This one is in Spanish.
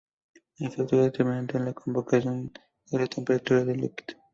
El factor determinante en la cavitación es la temperatura del líquido.